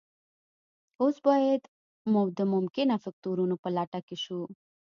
اوس باید د ممکنه فکتورونو په لټه کې شو